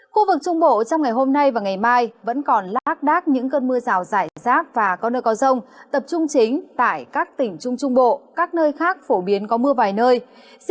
khu vực giữa và nam biển đông gia đông bắc cấp bốn cấp năm có mưa vài nơi